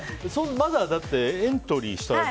まだエントリーしただけ。